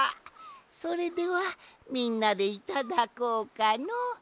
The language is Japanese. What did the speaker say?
それではみんなでいただこうかのう。